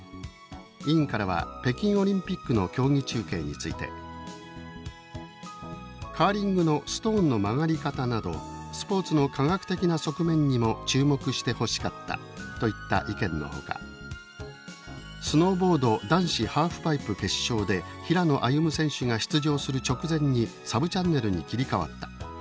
委員からは北京オリンピックの競技中継について「カーリングのストーンの曲がり方などスポーツの科学的な側面にも注目してほしかった」といった意見のほか「スノーボード男子ハーフパイプ決勝で平野歩夢選手が出場する直前にサブチャンネルに切り替わった。